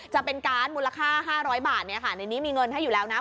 จะเป็นการ์ดมูลค่า๕๐๐บาทในนี้มีเงินให้อยู่แล้วนะ